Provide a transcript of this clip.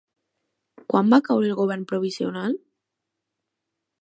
Quan va caure el govern provisional?